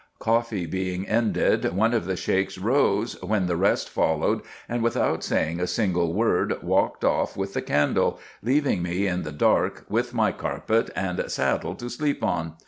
Coffee being ended, one of the Sheiks rose, when the rest followed, and, without saying a single word, walked off with the candle, leaving me in the dark, with my carpet and saddle to sleep on.